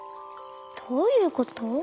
どういうこと？